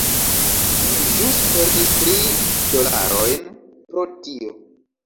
Mi ĵus perdis tri dolarojn por tio.